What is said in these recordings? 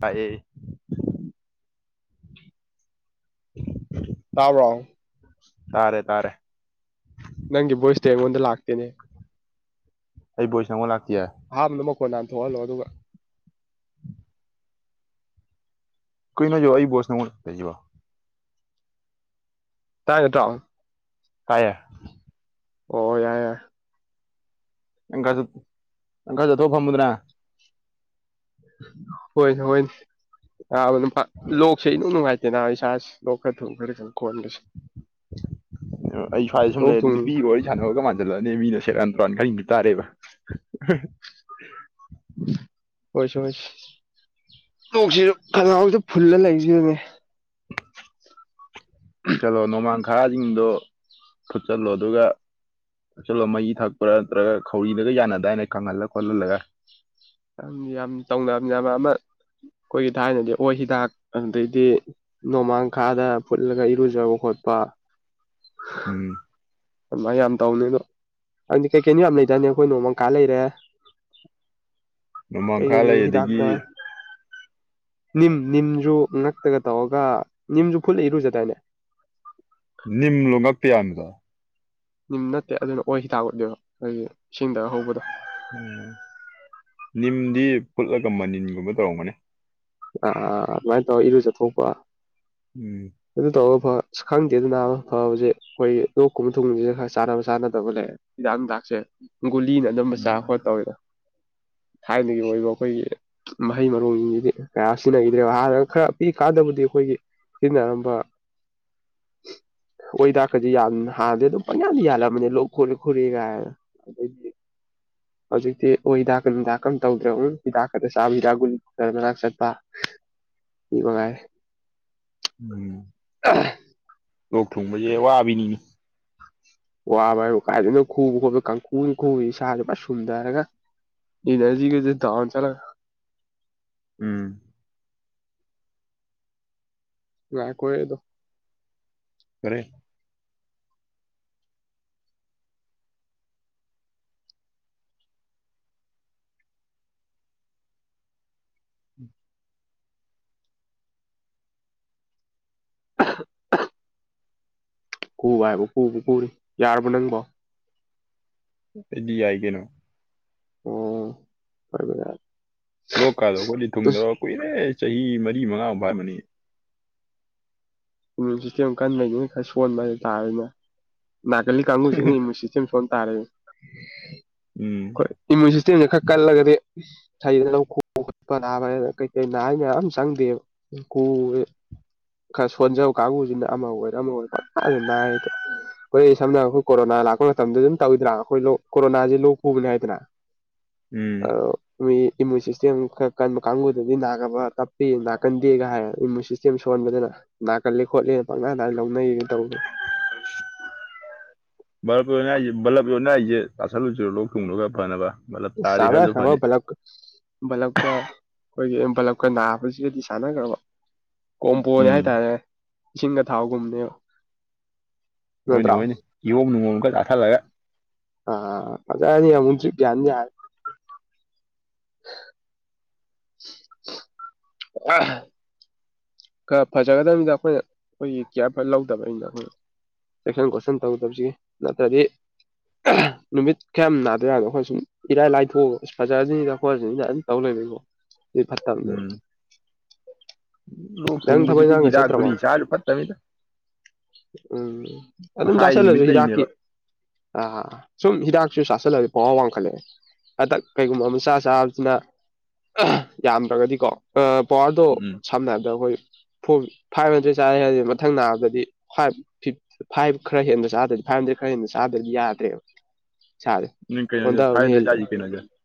ꯄꯥꯛꯑꯦ꯫ ꯇꯥꯕ꯭ꯔꯣ꯫ ꯇꯥꯔꯦ ꯇꯥꯔꯦ ꯅꯪꯒꯤ ꯕꯣꯏꯁꯇꯤ ꯑꯩꯉꯣꯟꯗ ꯂꯥꯛꯇꯦꯅꯦ ꯑꯩ ꯕꯣꯏꯁ ꯅꯪꯉꯣꯟ ꯂꯥꯛꯇꯤꯌꯦ ꯑꯍꯥꯟꯕꯗ ꯃꯈꯣꯟ ꯍꯥꯟ ꯊꯣꯛꯍꯜꯂꯣ ꯑꯗꯨꯒ ꯀꯩꯅꯣ ꯍꯥꯏꯖꯤꯕꯣ ꯑꯩ ꯕꯣꯏꯁ ꯅꯪꯉꯣꯟ ꯇꯣꯏꯖꯤꯕꯣ ꯇꯥꯏ ꯅꯠꯇ꯭ꯔꯣ ꯇꯥꯏꯌꯦ ꯑꯣ ꯌꯥꯏ ꯌꯥꯏ ꯅꯪ ꯈꯔꯆꯠ ꯅꯪ ꯈꯔ ꯆꯠꯊꯣꯛꯑ ꯐꯝꯃꯨꯗꯅꯥ ꯍꯣꯏꯅꯦ ꯍꯣꯏꯅꯦ ꯑꯥ ꯑꯗꯨꯝ ꯐꯠ ꯂꯣꯛꯁꯦ ꯏꯅꯨꯡ ꯅꯨꯡꯉꯥꯏꯇꯦꯅ ꯑꯩꯁꯦ ꯁꯥꯁꯦ ꯂꯣꯛ ꯈꯔ ꯈꯪꯗꯦ ꯈꯣꯟꯒꯥꯁꯦ ꯑꯣ ꯑꯩ ꯁ꯭ꯋꯥꯏꯗ ꯁꯨꯝ ꯂꯩꯔꯗꯤ ꯅꯨꯄꯤꯒ ꯋꯥꯔꯤ ꯁꯥꯟꯅꯕꯒ ꯃꯥꯟ ꯖꯜꯂꯛꯑꯅꯦ ꯃꯤꯅ ꯁꯦꯔꯥꯟ ꯇꯨꯔꯥꯟ ꯈꯟꯒꯤ ꯇꯥꯔꯦꯕ ꯍꯣꯏꯁꯦ ꯍꯣꯏꯁꯦ ꯂꯣꯛꯁꯤꯁꯨ ꯈꯒꯥꯎꯖꯤꯗ ꯐꯨꯜꯂ ꯂꯩꯖꯤꯅꯅꯦ ꯊꯛꯁꯜꯂꯣ ꯅꯣꯃꯥꯡꯈꯥꯁꯤꯡꯗꯣ ꯐꯨꯠꯆꯜꯂꯣ ꯑꯗꯨꯒ ꯊꯛꯆꯜꯂꯣ ꯃꯍꯤ ꯊꯛꯄ꯭ꯔꯥ ꯅꯠꯇ꯭ꯔꯒ ꯈꯧꯔꯤꯗꯒ ꯌꯥꯟꯅꯗꯥꯏꯅꯦ ꯈꯪꯍꯜꯂ ꯈꯣꯠꯍꯜꯂꯒ ꯌꯥꯝ ꯌꯥꯝ ꯇꯧꯅꯕꯅꯦ ꯑꯃ ꯑꯃ ꯑꯩꯈꯣꯏꯒꯤ ꯊꯥꯏꯅꯗꯤ ꯑꯣꯏ ꯍꯤꯗꯥꯛ ꯑꯗꯩꯗꯤ ꯅꯣꯡꯃꯥꯡꯈꯥꯗ ꯐꯨꯠꯂꯒ ꯏꯔꯨꯖꯕ ꯈꯣꯠꯄ ꯎꯝ ꯑꯗꯨꯃꯥꯏꯅ ꯌꯥꯝ ꯇꯧꯅꯤ ꯑꯗꯣ ꯑꯗꯨꯗꯤ ꯀꯩꯀꯩꯅꯣ ꯌꯥꯝ ꯂꯩꯗꯥꯏꯅꯦ ꯑꯩꯈꯣꯏ ꯅꯣꯡꯃꯪꯀꯥ ꯂꯩꯔꯦ ꯅꯣꯡꯃꯥꯡꯈꯥ ꯀꯩꯀꯩ ꯂꯩ ꯑꯗꯒꯤ ꯍꯤꯗꯥꯛꯇ ꯅꯤꯝ ꯅꯤꯝꯁꯨ ꯉꯛꯇꯒ ꯇꯧꯔꯒ ꯅꯤꯝꯁꯨ ꯐꯨꯠꯂ ꯏꯔꯨꯖꯗꯥꯏꯅꯦ ꯅꯤꯝꯂꯣꯉꯛꯄ ꯌꯥꯟꯕꯗꯣ ꯅꯤꯝ ꯅꯠꯇꯦ ꯑꯗꯨꯅ ꯑꯣꯏ ꯍꯤꯗꯥꯛ ꯑꯣꯏꯗꯣꯏꯕ ꯑꯩꯈꯣꯏꯒꯤ ꯏꯁꯤꯡꯗꯒ ꯍꯧꯕꯗꯣ ꯎꯝ ꯅꯤꯝꯗꯤ ꯐꯨꯠꯂꯒꯕ ꯃꯅꯤꯜꯒꯨꯝꯕ ꯇꯧꯔꯝꯒꯅꯤ ꯑꯥ ꯑꯥ ꯑꯥ ꯑꯥ ꯑꯗꯨꯃꯥꯏ ꯇꯧꯔ ꯏꯔꯨꯖꯊꯣꯛꯄ ꯎꯝ ꯑꯗꯨ ꯇꯧꯔ ꯐ ꯈꯪꯗꯦ ꯑꯗꯨ ꯅꯥꯕ ꯐꯕꯁꯦ ꯑꯩꯈꯣꯏ ꯂꯣꯛꯀꯨꯝꯕ ꯊꯨꯝꯕꯁꯤ ꯈꯔ ꯆꯥꯟꯅꯕ ꯆꯥꯟꯅꯗꯕ ꯂꯩ ꯍꯤꯗꯥꯛ ꯅꯨꯡꯗꯥꯛꯁꯦ ꯒꯨꯂꯤꯅ ꯑꯅꯝꯕ ꯆꯥ ꯈꯣꯠ ꯇꯧꯋꯤꯗꯥ ꯊꯥꯏꯅꯒꯤ ꯑꯣꯏꯕ ꯑꯩꯈꯣꯏꯒꯤ ꯃꯍꯩ ꯃꯔꯣꯡꯖꯤꯡꯁꯤꯗꯤ ꯀꯌꯥ ꯁꯤꯖꯤꯟꯅꯈꯤꯗ꯭ꯔꯦꯕ ꯍꯥꯟꯅ ꯈꯔ ꯄꯤꯛꯏ ꯀꯥꯟꯗꯕꯨꯗꯤ ꯑꯩꯈꯣꯏꯒꯤ ꯁꯤꯖꯤꯟꯅꯔꯝꯃꯤ ꯕ ꯑꯣꯏ ꯍꯤꯗꯥꯛꯀꯗꯤ ꯌꯥꯝ ꯍꯥꯟꯅꯗꯤ ꯑꯗꯨꯝ ꯄꯪꯌꯥꯟꯗ ꯌꯥꯟꯂꯝꯃꯅꯤ ꯂꯣꯛ ꯈꯨꯔꯤ ꯈꯨꯔꯤ ꯀꯥꯏꯅ ꯑꯗꯩꯗꯤ ꯍꯧꯖꯤꯛꯇꯤ ꯑꯣꯏ ꯍꯤꯗꯥꯛꯀ ꯅꯨꯡꯗꯥꯛꯀꯝ ꯇꯧꯗ꯭ꯔꯕ ꯑꯣꯡꯂꯤ ꯍꯤꯗꯥꯛ ꯈꯛꯇ ꯆꯥꯕ ꯍꯤꯗꯥꯛ ꯒꯨꯂꯤ ꯗꯣꯛꯇꯔ ꯃꯅꯥꯛ ꯆꯠꯄ ꯁꯤ ꯃꯉꯥꯏꯔꯦ ꯎꯝ [unintelligible] ꯂꯣꯛ ꯊꯨꯡꯕꯖꯦ ꯋꯥꯕꯤꯅꯤꯅꯦ ꯋꯥꯕ ꯍꯥꯏꯕꯨ ꯀꯥꯏꯗꯩꯅꯣ ꯈꯨꯕ ꯈꯣꯠꯄ ꯀꯪꯈꯨꯅꯦ ꯈꯨꯔꯤ ꯏꯁꯥꯒ ꯐꯅ ꯁꯨꯝꯊꯔꯒ ꯏꯅꯔꯖꯤꯒꯖꯦ ꯗꯥꯥꯎꯟ ꯆꯠꯂꯒ ꯎꯝ ꯉꯥꯏꯈꯣꯍꯦ ꯑꯗꯣ ꯀꯔꯤ [inaudible] [unintelligible] ꯌꯥꯔꯕ ꯅꯪꯕꯣ ꯗꯨꯗꯤ ꯌꯥꯏ ꯀꯩꯅꯣ ꯑꯣ [unintelligible] ꯂꯣꯛ ꯀꯥꯗꯣ ꯈꯣꯏꯗꯤ ꯑꯁ ꯊꯨꯡꯗꯕ ꯀꯨꯏꯔꯦ ꯆꯍꯤ ꯃꯔꯤ ꯃꯉꯥ ꯑꯃꯨꯛ ꯐꯥꯔꯝꯃꯅꯤ ꯎꯝ ꯁꯤꯁꯇꯦꯝ ꯀꯟꯕꯩꯅꯤꯅ ꯈꯔ ꯁꯣꯟꯕ ꯍꯥꯏꯇꯥꯥꯔꯦꯅꯦ ꯅꯥ ꯀꯜꯂꯤ ꯀꯥꯡꯒꯨꯁꯤꯅ ꯏꯃꯨꯟ ꯁꯤꯁꯝ ꯁꯣꯟꯇꯥꯔꯦꯅꯦ ꯎꯝ ꯍꯣꯏ ꯏꯃ꯭ꯌꯨꯟ ꯁꯤꯁꯇꯦꯝꯁꯦ ꯈꯔ ꯀꯜꯂꯒꯗꯤ [unintelligible] ꯀꯩꯀꯩ [unintelligible] ꯑꯃ ꯆꯪꯗꯦꯕ ꯈꯔ ꯁꯣꯟꯖꯕ ꯀꯥꯡꯕꯨꯁꯤꯅ ꯑꯃ ꯑꯣꯏꯔ ꯑꯃ ꯑꯣꯏꯔ ꯑꯗꯨ ꯅꯥꯏꯗ ꯍꯣꯏ ꯁꯝꯅ ꯑꯩꯈꯣꯏ ꯀꯣꯔꯣꯅꯥ ꯂꯥꯛꯄ ꯃꯇꯝꯗ ꯑꯗꯨꯝ ꯇꯧꯋꯤꯗꯅꯥ ꯑꯩꯈꯣꯏ ꯀꯣꯔꯣꯅꯥꯁ ꯂꯣꯛ ꯄꯨꯕꯅꯤ ꯍꯥꯏꯗꯅ ꯑ ꯎꯝ ꯃꯤ ꯏꯃꯨꯟ ꯁꯤꯁꯇꯦꯝ ꯈꯔ ꯀꯟꯕ ꯀꯥꯡꯕꯨꯗꯗꯤ ꯅꯥꯕ ꯇꯞꯄꯤ ꯅꯥꯀꯟꯗꯦꯒ ꯍꯥꯏꯔ ꯏꯃꯨꯟꯁꯇꯦꯝ ꯏꯆ ꯑꯃ ꯁꯣꯟꯕꯗꯅ ꯅꯥꯀꯜꯂꯤ ꯈꯣꯠꯂꯤꯅ ꯄꯪꯅꯥ ꯗꯥꯏꯅ ꯂꯧꯅꯩꯅ ꯇꯧꯕꯗꯅ [inaudible] ꯕꯂꯞ ꯂꯣꯟꯅ ꯍꯥꯏꯁ ꯕꯂꯞ ꯂꯣꯟꯅ ꯑꯩꯁꯦ ꯇꯥꯁꯜꯂꯨꯆꯔ ꯂꯣꯛ ꯊꯨꯡꯔꯒ ꯐꯅꯕ ꯕꯂꯞ [unintelligible] ꯆꯥꯔꯗꯤ ꯈꯔꯁꯨ ꯐꯅꯤ ꯄꯂꯞꯀ ꯑꯩꯈꯣꯏꯒꯤ ꯏꯟꯄꯂꯞꯀ ꯅꯥꯕꯁꯤꯒꯗꯤ ꯁꯥꯟꯅꯈ꯭ꯔꯕ ꯀꯣꯝꯕꯣꯅꯦ ꯎꯝ ꯍꯥꯏꯇꯥꯔꯦ ꯏꯁꯤꯡꯒ ꯊꯥꯎꯒꯨꯝꯅꯦꯕ ꯍꯣꯏꯅꯦ ꯍꯣꯏꯅꯦ ꯀꯤꯍꯣꯝ ꯅꯨꯡꯍꯣꯝ ꯈꯔ ꯆꯥꯁꯤꯜꯂꯒ ꯑ ꯐꯖꯔꯅꯤ ꯑꯃꯨꯛ ꯗꯔ꯭ꯤꯞ ꯌꯥꯟ ꯌꯥꯔꯅꯤ [unintelligible] [inaudible] [unintelligible] ꯈꯔ ꯐꯖꯒꯗꯕꯅꯤꯗ ꯑꯩꯈꯣꯏꯅ ꯑꯩꯈꯣꯏꯒꯤ ꯀꯤꯌꯥꯔ ꯐꯖ ꯂꯧꯗꯕꯅꯤꯗ ꯑꯩꯈꯣꯏ ꯆꯦꯛꯁꯟ ꯈꯣꯠꯁꯟ ꯇꯧꯒꯗꯕꯁꯤꯒꯤ ꯅꯠꯇ꯭ꯔꯗꯤ ꯅꯨꯃꯤꯠ ꯈꯌꯥꯝ ꯅꯥꯗ [unintelligible] ꯑꯩꯈꯣꯏ ꯁꯨꯝ ꯏꯔꯥꯏ ꯂꯥꯏꯊꯣꯛꯑꯒ ꯐꯖꯔꯁꯤꯅꯤꯗ ꯈꯣꯠꯁꯤꯗ ꯑꯗꯨꯝ ꯇꯧ ꯂꯩꯔꯕꯣ ꯑꯗꯨ ꯐꯠꯇꯕꯅꯦ ꯎꯝ ꯂꯣꯛ ꯅꯪ ꯊꯕꯛ ꯊꯨꯡꯕꯁꯤꯗꯤ ꯏꯪꯈꯥꯡꯒ ꯍꯤꯗꯥꯛ ꯆꯠꯇ꯭ꯔꯕꯣ ꯒꯨꯂꯤ ꯆꯥꯔꯁꯨ ꯐꯠꯇꯝꯅꯤꯗ ꯎꯝ ꯑꯗꯨꯝ ꯃꯁꯥꯒꯤ ꯅꯨꯃꯤꯠ ꯆꯥꯥꯁꯜꯂꯁꯨ ꯍꯤꯗꯥꯛꯀꯤ ꯂꯩꯕꯅꯦꯕ ꯑ ꯁꯨꯝ ꯍꯤꯗꯥꯛꯁꯨ ꯆꯥꯁꯤꯜꯂꯗꯤ ꯄꯋꯥꯔ ꯋꯥꯡꯈꯠꯂꯛꯑꯦ ꯍꯟꯗꯛ ꯀꯩꯒꯨꯝꯕ ꯑꯃꯆꯥ ꯆꯥꯕꯁꯤꯅ ꯌꯥꯝꯗ꯭ꯔꯒꯗꯤꯀꯣ ꯄꯋꯥꯔꯗꯣ ꯎꯝ ꯁꯝꯅ ꯗ ꯑꯩꯈꯣꯏ ꯐꯣꯔ ꯐꯥꯏꯚ ꯍꯟꯗ꯭ꯔꯦꯠ ꯆꯥꯔꯦ ꯍꯥꯏꯔꯦ ꯃꯊꯪ ꯅꯥꯕꯗꯗꯤ ꯐꯥꯏꯚ ꯐꯤ ꯐꯥꯏꯚ ꯈꯔ ꯍꯦꯟꯅ ꯆꯥꯗꯣꯏꯗꯤ ꯐꯥꯏꯚ ꯍꯟꯗ꯭ꯔꯦꯠ ꯈꯔ ꯍꯦꯟꯟꯅ ꯆꯥꯗꯣꯏꯗꯤ ꯌꯥꯗ꯭ꯔꯦꯕ ꯅꯪ ꯀꯩꯅꯣꯁꯦ ꯐꯥꯏꯚ [unintelligible] [unintelligible]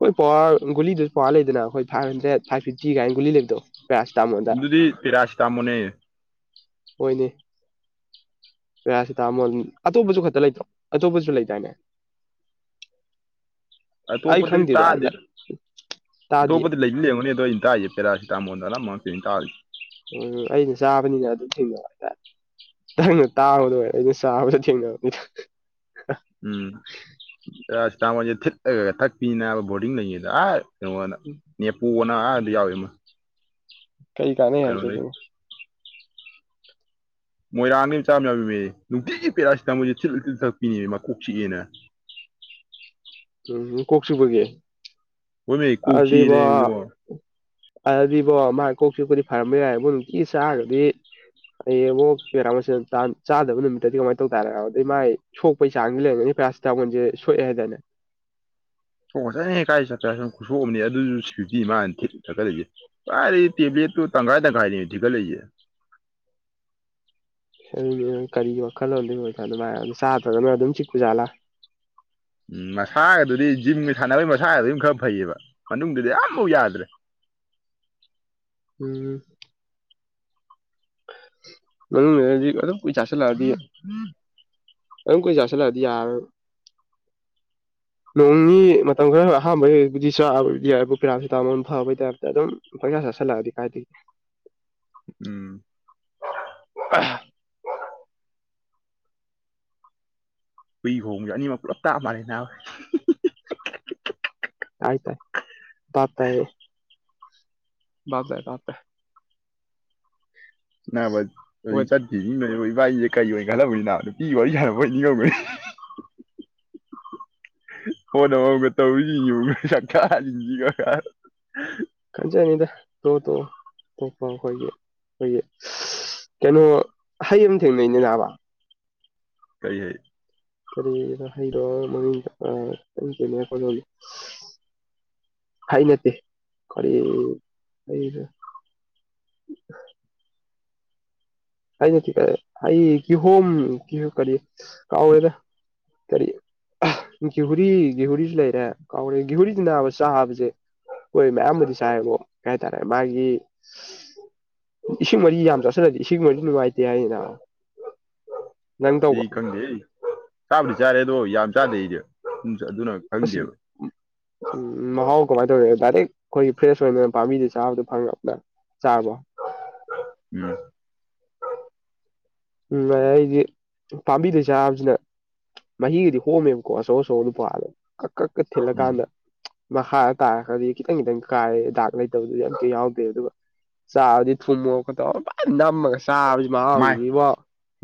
ꯍꯣꯏ ꯄꯋꯥꯔ ꯒꯨꯂꯤꯗꯨꯁꯨ ꯄꯋꯥꯔ ꯂꯩꯗꯅ ꯍꯣꯏ ꯐꯥꯏꯚ ꯍꯟꯗ꯭ꯔꯦꯠ ꯐꯥꯏꯚ ꯐꯤꯞꯇꯤ ꯀꯥꯏꯅ ꯒꯨꯂꯤ ꯂꯩꯕꯗꯣ ꯄꯦꯔꯥꯁꯤꯇꯥꯃꯣꯜꯗ ꯑꯗꯨꯗꯤ ꯄꯤꯔꯥꯥꯁꯤꯇꯥꯃꯣꯟꯅꯦ ꯍꯣꯏꯅꯦ ꯄꯦꯔꯥꯁꯤꯇꯥꯃꯣꯜ ꯑꯇꯣꯞꯄꯁꯨ ꯈꯛꯇ ꯂꯩꯇꯣ ꯑꯇꯣꯞꯄꯁꯨ ꯂꯩꯗꯥꯏꯅꯦ ꯑꯩ ꯑꯇꯣꯞꯄꯗꯗꯤ ꯈꯪꯗꯦꯗ ꯇꯥꯗꯦꯕ ꯇꯥꯗꯤꯌꯦ ꯑꯇꯣꯞꯄꯗꯤ ꯂꯩꯗꯤ ꯌꯦꯡꯉꯨꯅꯤ ꯑꯗꯣ ꯑꯩꯅ ꯇꯥꯛꯌꯦꯕ ꯄꯦꯔꯥꯁꯤꯇꯥꯃꯣꯟꯅ ꯑꯅꯝꯕ [unintelligible] ꯑꯩꯅ ꯇꯥꯔꯤꯁꯦ ꯎꯝ ꯑꯩꯅ ꯆꯥꯕꯅꯤꯅ ꯑꯗꯨꯝ ꯊꯦꯡꯅꯕ ꯍꯥꯏꯇꯥꯔꯦ ꯅꯪꯅ ꯇꯥꯕ ꯑꯣꯏꯔꯦ ꯑꯩꯅ ꯆꯥꯕꯗ ꯊꯦꯡꯅꯕꯅꯤꯗ ꯎꯝ ꯄꯦꯔꯥ ꯁꯤꯇꯥꯃꯣꯟꯁꯦ ꯊꯤꯠꯂꯒ ꯊꯛꯄꯤꯅꯦ ꯅꯕꯥ ꯕꯣꯔꯗꯤꯡ ꯂꯩꯔꯤꯉꯩꯗ ꯑꯥ ꯀꯩꯅꯣꯗ ꯅꯦꯄꯣꯅ ꯑꯗꯥ ꯌꯥꯎꯔꯤ ꯑꯥ ꯀꯩ ꯀꯥꯟꯅꯩ ꯍꯥꯢꯒꯦ ꯑꯗꯨꯕꯨ ꯃꯣꯏꯔꯥꯡꯒꯤ ꯃꯆꯥ ꯑꯃ ꯌꯥꯎꯔꯤꯃꯦ ꯅꯨꯡꯇꯤꯒꯤ ꯄꯦꯔꯥꯁꯤꯇꯥꯃꯣꯟꯁꯦ ꯊꯤꯜꯂ ꯊꯤꯜꯂ ꯊꯛꯄꯤꯅꯤ ꯃꯀꯣꯛ ꯆꯤꯛꯑꯦꯅ ꯎꯝ ꯀꯣꯛ ꯆꯤꯛꯄꯒꯤ ꯍꯣꯏꯃꯤ ꯀꯣꯛ ꯑꯗꯨꯗꯤ ꯢꯕꯣ ꯆꯤꯛꯑꯦꯅꯦꯕꯣ ꯑꯗꯨꯗꯤ ꯢꯕꯣ ꯃꯥ ꯀꯣꯛ ꯆꯤꯛꯄꯗꯤ ꯐꯔꯝꯕ ꯌꯥꯏꯕꯣ ꯅꯨꯡꯇꯤ ꯆꯥꯒ꯭ꯔꯗꯤ ꯐꯩꯌꯦꯕꯣ ꯄꯦꯔꯥꯁꯤꯇꯥꯃꯣꯟ ꯆꯥꯗꯕ ꯆꯥꯗꯕ ꯅꯨꯃꯤꯠꯇꯗꯤ ꯀꯃꯥꯏꯅ ꯇꯧ ꯇꯥꯔꯦ ꯑꯗꯩ ꯃꯥꯥꯏ ꯁꯣꯛꯄꯩ ꯆꯥꯡꯗꯤ ꯂꯩꯔꯝꯒꯅꯤ ꯄꯦꯔꯥꯁꯤꯇꯥꯃꯣꯟꯁꯦ ꯁꯣꯛꯑꯦ ꯍꯥꯏꯗꯥꯢꯅꯦ ꯁꯣꯛꯈ꯭ꯔꯖꯠꯅꯤ ꯀꯥꯏ [unintelligible] ꯈꯨꯠꯁꯣꯛ ꯑꯃꯅꯤ ꯑꯗꯨꯁꯨ ꯁꯨꯇꯤ ꯃꯥꯅ ꯊꯤꯜꯂ ꯊꯥꯒꯠꯂꯤꯁꯤ ꯀꯥꯢꯗꯩ ꯇꯦꯕ꯭ꯂꯦꯠꯇꯨ ꯇꯪꯈꯥꯏ ꯇꯪꯈꯥꯏꯅꯤ ꯊꯤꯒꯠꯂꯛꯢꯁꯤ ꯑꯗꯨꯗꯤ ꯀꯔꯤ ꯋꯥꯜꯂꯣꯟꯗ ꯑꯣꯏꯖꯠꯅꯣ ꯆꯥꯗ꯭ꯔꯒꯅ ꯑꯗꯨꯝ ꯆꯤꯛꯄꯖꯠꯂ ꯎꯝ ꯃꯁꯥꯒꯗꯨꯗꯤ ꯖꯤꯝꯒ ꯁꯥꯟꯅꯕꯒꯤ ꯃꯁꯥꯒ ꯑꯗꯨꯝ ꯈꯔ ꯐꯩꯑꯦꯕ ꯃꯅꯨꯡꯗꯨꯗꯤ ꯑꯝꯐꯥꯎ ꯌꯥꯗ꯭ꯔꯦ ꯎꯝ ꯃꯅꯨꯡꯗꯗꯤ ꯑꯗꯨꯝ ꯀꯨꯢꯅ ꯆꯥꯁꯤꯜꯂꯛꯑꯗꯤ ꯑꯗꯨꯝ ꯀꯨꯢꯅ ꯆꯥꯁꯤꯜꯂꯛꯑꯗꯤ ꯌꯥꯔꯔꯣꯢꯕ ꯅꯣꯡ ꯅꯤꯅꯤ ꯃꯇꯝ ꯈꯔ ꯑꯍꯥꯟꯕꯩꯕꯨꯗꯤ ꯆꯥꯕꯕꯨꯗꯤ ꯌꯥꯏꯕꯨ ꯄꯦꯔꯥꯁꯤꯇꯥꯃꯣꯟ ꯐꯥꯕꯩ ꯇꯥꯏꯞꯇ ꯑꯗꯨꯝ ꯄꯪꯆꯥ ꯆꯥꯁꯤꯜꯂꯛꯑꯗꯤ ꯀꯥꯢꯗꯩ ꯎꯝ ꯑ [unintelligible] ꯍꯨꯏ ꯈꯣꯡꯕꯁꯦ ꯑꯅꯤꯃꯛ ꯄꯨꯂꯞ ꯇꯥ ꯃꯥꯜꯂꯦ ꯅꯕꯥ ꯍꯥꯏ ꯇꯥꯏ [unintelligible] ꯞꯦ ꯞ [unintelligible] ꯅꯕꯥ ꯍꯧꯖꯤꯛ ꯆꯠ [unintelligible] ꯏꯕꯥꯅꯤꯁꯦ ꯀꯔꯤ ꯑꯣꯏꯅ ꯈꯜꯂꯝꯒꯅꯤ ꯅꯨꯄꯤꯒ ꯋꯥꯔꯤ ꯁꯅꯕꯣꯏ ꯅꯤꯡꯉꯝꯒꯅꯤ ꯐꯣꯟ ꯑꯃꯝ ꯃꯝꯒ ꯇꯧꯔꯤꯁꯦ ꯌꯦꯡꯉꯨꯅꯦ ꯁꯥꯛꯇꯥꯁꯤꯡꯁꯤꯒꯦ ꯀꯥꯢꯅ ꯈꯪꯖꯅꯤꯗ ꯇꯣꯛꯑꯣ ꯇꯣꯛꯑꯣ ꯑꯇꯣꯞꯄ ꯑꯩꯈꯣꯏꯒꯤ ꯑꯩꯈꯣꯏꯒꯤ ꯀꯩꯅꯣ ꯍꯩ ꯑꯃ ꯊꯦꯡꯅꯩꯅꯦ ꯅꯕꯥ ꯀꯔꯤ ꯍꯩ ꯀꯔꯤꯕ ꯍꯩꯗꯣ ꯑꯥ ꯈꯪꯗꯦꯅꯦ [unintelligible] ꯍꯩ ꯏꯠꯇꯦ ꯀꯔꯤ ꯍꯩꯔꯥ ꯎ [inaudible] ꯑꯩ [unintelligible] [unintelligible] ꯑꯩ ꯀꯤꯍꯣꯝ ꯀꯤꯍ ꯀꯔꯤ ꯀꯥꯎꯔꯦꯗ ꯀꯔꯤ ꯒꯤꯍꯨꯔꯤ ꯒꯤꯍꯣꯔꯤꯁꯨ ꯂꯩꯔꯦ ꯀꯥꯎꯔꯦ ꯒꯤꯍꯨꯔꯤꯁꯤ ꯅꯥꯕ ꯆꯥꯕꯁꯦ ꯍꯣꯏ ꯃꯌꯥꯝꯕꯨꯗꯤ ꯆꯥꯏꯕꯣ ꯀꯩ ꯍꯥꯏꯇꯥꯔꯦ ꯃꯥꯒꯤ ꯏꯁꯤꯡ ꯃꯔꯤ ꯌꯥꯝ ꯆꯠꯁꯤꯜꯂꯗꯤ ꯏꯁꯤꯡ ꯃꯔꯤ ꯅꯨꯡꯉꯥꯏꯇꯦ ꯍꯥꯏꯗ ꯑꯗꯨꯗꯤ ꯈꯪꯗꯦꯍꯦ ꯑꯩ ꯆꯥꯕꯨꯗꯤ ꯆꯥꯔꯦ ꯑꯗꯣ ꯌꯥꯝ ꯆꯥꯗꯦ ꯑꯩꯗꯤ ꯑꯗꯨꯅ ꯑꯁ ꯈꯪꯗꯦꯕ ꯎꯝ ꯃꯍꯥꯎ ꯀꯃꯥꯏꯅ ꯇꯧꯋꯤ ꯗꯥꯏꯔꯦꯛ ꯑꯩꯈꯣꯏꯒꯤ ꯐ꯭ꯔꯦꯁ ꯑꯣꯏꯅ ꯄꯥꯝꯕꯤꯗꯒꯤ ꯆꯥꯕꯗꯨ ꯐꯪꯉꯥꯛꯕ꯭ꯔꯥ ꯆꯥꯕꯗꯣ ꯎꯝ ꯎꯝ ꯑꯩꯗꯤ ꯄꯥꯝꯕꯤꯗꯩ ꯆꯥꯕꯁꯤꯅ ꯃꯍꯤꯒꯗꯤ ꯍꯣꯝꯃꯦꯕꯀꯣ ꯑꯆꯧ ꯑꯆꯧꯕꯗꯨ ꯄꯜꯂꯒ ꯀꯛ ꯀꯛ ꯀꯛ ꯎꯝ ꯊꯤꯜꯂꯀꯥꯟꯗ ꯃꯈꯥꯗ ꯇꯥꯔꯒꯗꯤ ꯈꯤꯇꯪ ꯈꯤꯇꯪ ꯀꯥꯏ ꯗꯥꯛ ꯂꯩꯇꯕꯗꯨꯗꯤ ꯑꯝꯇ ꯌꯥꯎꯗꯦ ꯑꯗꯨꯒ ꯆꯥꯕꯗꯤ ꯊꯨꯝ ꯃꯣꯔꯣꯛꯒ ꯇꯧꯔꯒ ꯐꯟ ꯅꯝꯃꯒ ꯆꯥꯕꯁꯤ ꯃꯥꯏ ꯃꯍꯥꯎꯁꯤꯗꯤꯕꯣ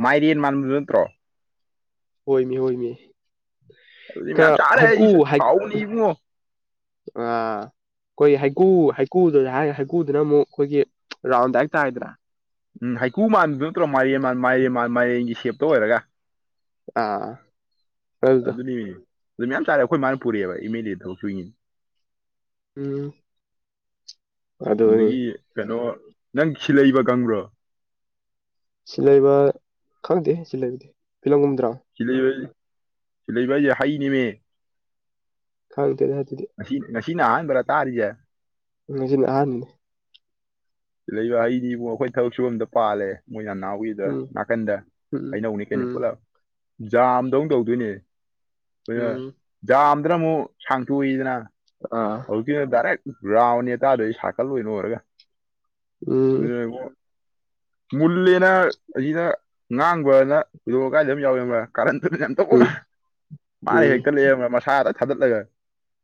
ꯃꯥꯏꯔꯦꯟ ꯃꯥꯟꯕꯗꯨ ꯅꯠꯇ꯭ꯔꯣ ꯍꯣꯏ ꯃꯤ ꯍꯣꯏ ꯃꯤ ꯑꯗꯨ ꯃꯌꯥꯝ ꯆꯥꯔꯦ ꯍꯥꯎꯕꯅꯤꯕꯨ ꯑ ꯑꯩꯈꯣꯏꯒꯤ ꯍꯩꯀꯨ ꯍꯩꯀꯨꯗꯨ ꯍꯥꯏꯔꯒ ꯍꯩꯀꯨꯗꯨꯅ ꯑꯃꯨꯛ ꯑꯩꯈꯣꯏꯒꯤ ꯔꯥꯎꯟꯗꯥꯏ ꯇꯥꯏꯗꯅꯥ ꯎꯝ ꯍꯩꯀꯨ ꯃꯥꯟꯕꯗꯨ ꯅꯠꯇ꯭ꯔꯣ ꯃꯥꯏꯔꯦꯟ ꯃꯥꯟ ꯃꯥꯏꯔꯦꯟ ꯃꯥꯟ ꯃꯥꯏꯔꯦꯟꯒꯤ ꯁꯦꯞꯇ ꯑꯣꯏꯔꯒ ꯑꯥ ꯑꯗꯨꯗꯣ ꯑꯗꯨꯅꯤꯅꯦ ꯑꯗꯨ ꯃꯌꯥꯝ ꯇꯥꯔꯦ ꯑꯩꯈꯣꯏ ꯃꯥꯅ ꯄꯨꯔꯛꯑꯦꯕ ꯑꯦꯝ ꯑꯦꯜ ꯑꯦꯗ ꯊꯕꯛ ꯁꯨꯏꯉꯤꯅꯤ ꯎꯝ ꯑꯗꯨꯅꯤ ꯑꯗꯒꯤ ꯀꯩꯅꯣ ꯅꯪ ꯁꯤꯜꯂꯩꯕ ꯈꯪꯕ꯭ꯔꯣ ꯁꯤꯜꯂꯩꯕ ꯈꯪꯗꯦ ꯁꯤꯂꯩꯕꯗꯤ ꯐꯤꯂꯝꯒꯨꯝꯕꯗꯨꯔꯣ ꯁꯤꯂꯩꯕ ꯁꯤꯂꯩꯕꯁꯦ ꯍꯩꯅꯦꯃꯦ ꯈꯪꯗꯦ ꯑꯗꯨꯗꯤ ꯉ ꯉꯁꯤꯅ ꯑꯍꯥꯟꯕꯔ ꯇꯥꯔꯤꯁꯦ ꯉꯁꯤꯅ ꯑꯍꯥꯟꯕꯅꯤ ꯁꯤꯂꯩꯕ ꯍꯩꯅꯤ ꯕꯨ ꯑꯩꯈꯣꯏ ꯊꯕꯛ ꯁꯨꯕꯝꯗ ꯄꯥꯜꯂꯦ ꯃꯣꯏ ꯅꯅꯥꯎꯒꯤ ꯑꯗꯨꯗ ꯎꯝ ꯅꯥꯀꯟꯗ ꯎꯝ ꯍꯩꯅꯧꯅꯤ ꯀꯩꯅꯣ ꯎꯝ ꯄꯨꯂꯞ ꯖꯥꯝꯗꯧ ꯇꯧꯗꯣꯏꯅꯦ ꯎꯝ ꯈ ꯎꯝ ꯖꯥꯝꯗꯨꯅ ꯑꯃꯨꯛ ꯁꯥꯡꯇꯣꯛꯏꯗꯅ ꯑ ꯍꯧꯖꯤꯛꯀꯤꯅ ꯗꯥꯏꯔꯦꯛ ꯔꯥꯎꯟꯅꯤ ꯇꯥꯗꯣꯏꯁꯦ ꯁꯥꯔꯀꯜ ꯑꯣꯏꯅ ꯑꯣꯏꯔꯒ ꯎꯝ ꯃꯨꯜꯂꯦꯅ ꯑꯁꯤꯗ ꯉꯥꯡꯕꯅ ꯎꯝ [unintelligible] ꯃꯥꯥꯏ ꯎꯝ ꯍꯦꯛꯀꯠꯂꯛꯑꯦꯕ ꯃꯁꯥꯗ ꯊꯥꯒꯠꯂꯒ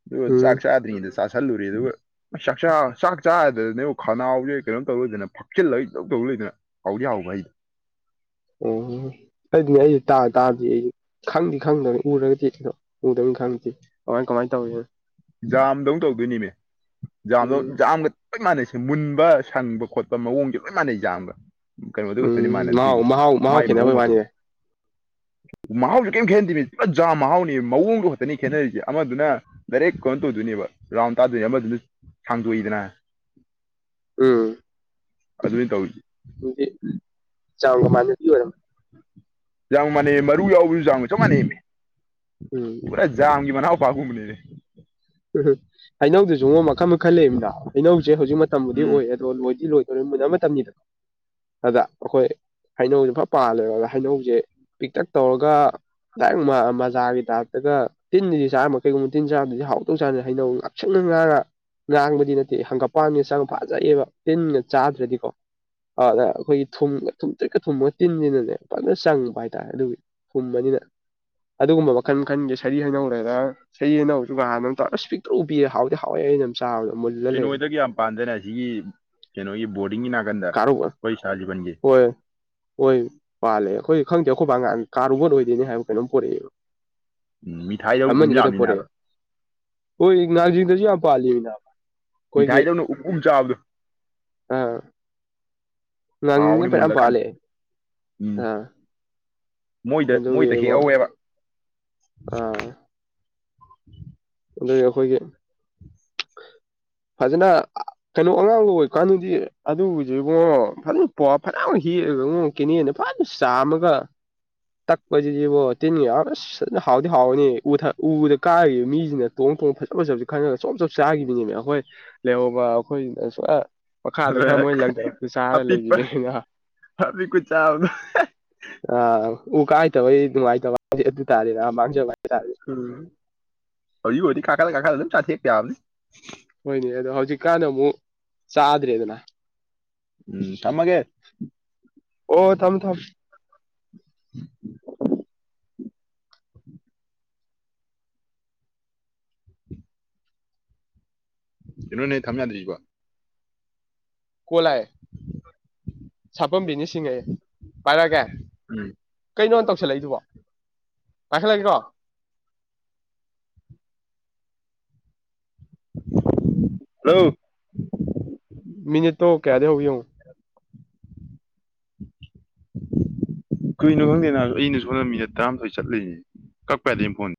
ꯑꯗꯨ ꯎꯝ ꯆꯥꯛ ꯆꯥꯗ꯭ꯔꯤꯉꯩꯗ ꯑꯗꯨꯝ ꯆꯥꯁꯜꯂꯨꯔꯤ ꯑꯗꯨꯒ ꯆꯥꯛꯆꯥ ꯆꯥꯛ ꯆꯥꯗꯗꯤ ꯑꯃꯨꯛ ꯈꯅꯥꯎꯁꯦ ꯀꯩꯅꯣꯝ ꯇꯧꯗꯣꯏ ꯐꯛꯆꯤꯜꯂ ꯀꯩꯅꯣꯝ ꯏꯇꯧ ꯇꯧꯔ ꯂꯩꯗꯅ ꯍꯥꯎꯗꯤ ꯍꯥꯎꯕ ꯍꯩ ꯑꯣ ꯑꯩꯗꯤ ꯑꯩ ꯇꯥ ꯇꯥꯗ꯭ꯔꯤ ꯑꯩ ꯈꯪꯗꯤ ꯈꯪꯗꯕꯅꯤ ꯎꯔꯒꯗꯤ ꯎꯗꯝꯅꯤ ꯈꯪꯗꯤ ꯀꯃꯥꯏ ꯀꯃꯥꯏꯅ ꯇꯧꯋꯤꯅꯣ ꯖꯥꯝꯗꯧ ꯇꯧꯗꯣꯏꯅꯤꯃꯦ ꯖꯥꯝꯗꯧ ꯎꯝ ꯖꯥꯝꯒ ꯂꯣꯏ ꯃꯥꯟꯅꯩꯁꯦ ꯃꯨꯟꯕ ꯁꯪꯕ ꯈꯣꯠꯄ ꯃꯑꯣꯡꯁꯦ ꯂꯣꯏ ꯃꯥꯟꯅꯩ ꯌꯥꯝꯕ ꯀꯩꯅꯣꯗꯨ ꯈꯛꯇꯅꯤ ꯎꯝ ꯃꯥꯟꯅꯗꯤ ꯃꯍꯥꯎ ꯃꯍꯥꯎ ꯃꯍꯥꯎ ꯃꯥꯒꯤ ꯃꯑꯣꯡ ꯈꯦꯠꯅꯕꯩ ꯃꯇꯧ ꯋꯥꯅꯤꯅꯦ ꯃꯍꯥꯎꯁꯨ ꯀꯩꯝ ꯈꯦꯠꯅꯗꯕꯤꯅꯤ ꯄꯨꯔ ꯖꯥꯝ ꯃꯍꯥꯎꯅꯤ ꯃꯑꯣꯡꯗꯣ ꯈꯛꯇꯅꯤ ꯈꯦꯠꯅꯔꯤꯁꯦ ꯑꯃꯗꯨꯅ ꯗꯥꯏꯔꯦꯛ ꯀꯣꯟ ꯇꯧꯗꯣꯏꯅꯦꯕ ꯔꯥꯎꯟ ꯇꯥꯗꯣꯏꯅꯦ ꯑꯃꯗꯨꯅ ꯁꯥꯡꯗꯣꯛꯏꯗꯅ ꯎꯝ ꯑꯗꯨꯅꯤ ꯇꯧꯔꯤꯁꯦ ꯆꯥꯎꯕ ꯃꯥꯟꯅꯗꯨꯏ ꯑꯣꯏꯔꯝ ꯌꯥꯝ ꯃꯥꯟꯅꯩ ꯃꯔꯨ ꯌꯥꯎꯕꯁꯨ ꯖꯥꯝ ꯆꯞ ꯃꯥꯟꯅꯩꯃꯦ ꯎꯝ ꯄꯨꯔꯥ ꯖꯥꯝꯒꯤ ꯃꯅꯥꯎꯄꯥꯒꯨꯝꯕꯅꯦ ꯎ ꯍꯩꯅꯧꯗꯨꯁꯨꯨꯉꯣ ꯃꯈꯜ ꯃꯈꯜ ꯂꯩꯗꯅ ꯍꯩꯅꯧꯁꯦ ꯍꯧꯖꯤꯛ ꯃꯇꯝꯕꯨꯗꯤ ꯎꯝ ꯑꯣꯏ ꯑꯗꯣ ꯂꯣꯏꯗꯤ ꯂꯣꯏꯗꯣꯏ ꯃꯨꯟꯅꯕ ꯃꯇꯝꯅꯤꯗꯅ ꯑꯗ ꯑꯩꯈꯣꯏ ꯍꯩꯅꯧꯁꯦ ꯐ ꯄꯥꯜꯂꯦꯕ ꯑꯗ ꯍꯩꯅꯧꯁꯦ ꯄꯤꯛꯇꯛ ꯇꯧꯔꯒ ꯂ ꯃꯖꯥꯒꯤ ꯇꯥꯏꯞꯇꯒ ꯇꯤꯟꯕꯨꯗꯤ ꯆꯥꯔꯝꯃꯦ ꯀꯩꯒꯨꯝꯕ ꯇꯤꯟ ꯆꯥꯔꯝꯗꯗꯤ ꯍꯥꯎ ꯇꯧꯖꯥꯅꯦ ꯍꯥꯏꯅꯧ ꯉꯥꯛꯁꯡꯒ ꯉꯥꯡꯉ ꯉꯥꯡꯕꯗꯤ ꯅꯠꯇꯦ ꯍꯪꯒꯄꯥꯟꯒ ꯆꯪ ꯐꯖꯩꯑꯕ ꯇꯤꯟꯅ ꯆꯥꯗ꯭ꯔꯗꯤꯀꯣ ꯑꯗ ꯑꯩꯈꯣꯏꯒꯤ ꯊꯨꯝꯒ ꯊꯨꯝ ꯇ꯭ꯔꯤꯠꯀ ꯊꯨꯝꯒ ꯇꯤꯟꯁꯤꯅꯅꯦ ꯐꯖ ꯆꯪꯕ ꯍꯥꯏꯇꯥꯔꯦ ꯑꯗꯨꯒꯤ ꯊꯨꯝꯕꯅꯤꯅ ꯑꯗꯨꯒꯨꯝꯕ ꯃꯈꯜ ꯃꯈꯟꯒꯤ ꯁꯔꯤ ꯍꯩꯅꯧꯔꯦꯔ ꯁꯔꯤ ꯑꯅꯧꯁꯨ ꯍꯥꯟꯅ ꯏꯁ ꯄꯤꯛꯇ꯭ꯔꯨ ꯄꯤꯛꯑ ꯍꯥꯎꯗꯤ ꯍꯥꯎꯋꯦ ꯑꯩꯩꯅ ꯆꯥꯕ ꯃꯣꯏ ꯀꯩꯅꯣꯗꯒꯤ ꯌꯥꯝ ꯄꯥꯟꯗꯅ ꯑꯁꯤꯒꯤ ꯀꯩꯅꯣꯒꯤ ꯕꯣꯔꯗꯤꯡꯒꯤ ꯅꯥ ꯀꯔꯣ ꯀ ꯍꯣꯏ ꯍꯣꯏ ꯄꯥꯜꯂꯦ ꯑꯩꯈꯣꯏꯗꯤ ꯈꯪꯗꯦ ꯑꯩꯈꯣꯏꯕꯥ ꯉꯍꯥꯟ ꯀꯥ [unintelligible] ꯍꯥꯏꯕ꯭ꯔ ꯀꯩꯅꯣꯝ ꯄꯨꯔꯛꯑꯦꯕ ꯎꯝ ꯃꯤꯊꯥꯏꯗꯧ ꯎꯝ ꯑꯃꯅꯤ ꯈꯛꯇ ꯌꯥꯝꯃꯤꯅꯦ ꯍꯥꯏꯕ ꯄꯣꯔꯛꯑꯦ ꯍꯣꯏ ꯉꯥꯡꯖꯤꯡꯗꯁꯨ ꯌꯥꯝ ꯄꯥꯜꯂꯦꯃꯤ ꯅꯥꯕ ꯃꯤꯊꯥꯏꯗꯧꯅ ꯎꯝ ꯎꯝ ꯆꯥꯕꯗꯣ ꯑꯥ ꯉꯪꯗꯨ ꯍꯥꯎꯕꯅꯤ ꯐꯅꯌꯥꯝ ꯃꯨꯜꯂꯀꯥꯟ ꯄꯥꯜꯂꯦ ꯎꯝ ꯑꯥ ꯃꯣꯏꯗ ꯑꯗꯨꯒꯤ ꯃꯣꯏꯗ ꯏꯕꯣ ꯍꯦꯛꯍꯧꯋꯦꯕ ꯑꯥ ꯑꯗꯨꯏ ꯑꯈꯣꯏꯒꯤ ꯐꯖꯅ ꯀꯩꯅꯣ ꯑꯉꯥꯡꯒ ꯑꯣꯏꯀꯥꯟꯗꯗꯤ ꯑꯗꯨꯕꯨꯖꯦ ꯏꯕꯨꯡꯉꯣ ꯐꯖꯅ ꯄꯥ ꯐꯅꯌꯥꯝꯒ ꯍꯦꯛꯑꯦꯒ ꯉꯣ ꯀꯦꯅꯦꯟꯗ [unintelligible] ꯆꯥꯝꯃꯒ ꯇꯛꯄꯁꯤꯗꯤꯕꯣ ꯇꯤꯟꯒ ꯌꯥꯎ ꯑꯁ ꯐꯖꯅ ꯍꯥꯎꯗꯤ ꯍꯥꯎꯕꯅꯤ ꯎ ꯊꯥꯡ ꯎꯗꯥ ꯀꯥꯈꯤꯕ ꯃꯤ ꯁꯤꯅ ꯇꯣꯡ ꯇꯣꯡ ꯐꯖ ꯐꯖꯕꯁꯤ ꯈꯜꯂꯒ ꯆꯣꯞ ꯆꯣꯞ ꯆꯥꯒꯤꯕꯤꯅꯦꯃꯤ ꯑꯈꯣꯏ ꯂꯩꯍꯧꯕ ꯑꯈꯣꯏꯅ [unintelligible] ꯃꯈꯥꯗ ꯈꯔ ꯑꯗꯨꯒ ꯃꯣꯏ ꯂꯪꯊꯔꯛꯄꯗꯣ ꯆꯥꯔ ꯂꯩ ꯑꯄꯤꯛꯄ [unintelligible] ꯑꯄꯤꯛꯄ ꯆꯥꯕꯗꯣ ꯑꯥ ꯎ ꯀꯥ ꯍꯩꯇꯕꯩ ꯅꯨꯡꯉꯥꯏꯇꯕ ꯍꯥꯏꯗꯤ ꯑꯗꯨ ꯇꯥꯔꯦ ꯅꯥ ꯃꯥꯡꯖꯕ ꯍꯥꯏꯇꯥꯔꯦ ꯎꯝ ꯍꯧꯖꯤꯛ ꯑꯣꯏꯔꯗꯤ ꯀꯥꯈꯠꯂ ꯀꯥꯈꯠꯂ ꯂꯣꯏꯝ ꯆꯥꯊꯦꯛꯄ ꯌꯥꯕꯅꯤ ꯍꯣꯏꯅꯦ ꯑꯗꯣ ꯍꯧꯖꯤꯛꯀꯥꯟ ꯑꯃꯨꯛ ꯆꯥꯗ꯭ꯔꯦꯗꯅ ꯎꯝ ꯊꯝꯃꯒꯦ ꯑꯣ ꯊꯝꯃꯨ ꯊꯝꯃꯨ ꯀꯩꯅꯣꯅꯦ ꯊꯝ ꯌꯥꯗ꯭ꯔꯤꯁꯤꯕꯣ ꯀꯣꯜ ꯂꯥꯛꯑꯦ ꯁꯥꯄꯝ ꯕꯤꯅꯤꯁ ꯁꯤꯡꯑꯌꯦ ꯄꯥꯏꯔꯒꯦ ꯎꯝ ꯀꯩꯅꯣ ꯇꯧꯁꯜꯂꯛꯏꯗꯨꯕꯣ ꯄꯥꯏꯈꯠꯂꯒꯦꯀꯣ ꯍꯜꯂꯣ ꯃꯤꯅꯤꯠꯇꯣ ꯀꯌꯥꯗꯩ ꯍꯧꯒꯦ ꯌꯦꯡꯉꯨ ꯀꯩꯒꯤꯅꯣ ꯈꯪꯗꯦ ꯅꯥꯕ ꯑꯩꯅ ꯁꯣꯝꯗ ꯃꯤꯅꯠ ꯇꯔꯥꯃꯥꯊꯣꯏ ꯆꯠꯂꯩꯔꯦ ꯀꯛꯄ ꯌꯥꯗꯩ ꯐꯣꯟ